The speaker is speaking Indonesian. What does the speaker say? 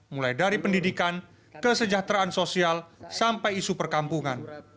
mulai dari pendidikan kesejahteraan sosial sampai isu perkampungan